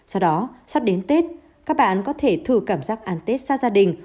sau đó sắp đến tết các bạn có thể thử cảm giác ăn tết xa gia đình